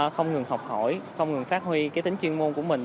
không ngừng học hỏi không ngừng phát huy tính chuyên môn của mình